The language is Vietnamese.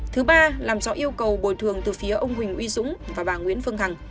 thứ ba làm rõ yêu cầu bồi thường từ phía ông huỳnh uy dũng và bà nguyễn phương hằng